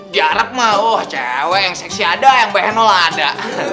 di arab mah oh cewek yang seksi ada yang bhenel ada